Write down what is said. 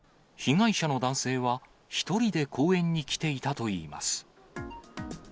被害者の男性は一人で公園に来ていたといいます。